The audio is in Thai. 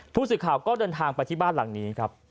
ผู้สื่อข่าวก็เดินทางไปที่บ้านหลังนี้ครับ